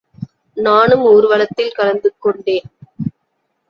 நானும் ஊர்வலத்தில் கலந்து கொண்டேன்.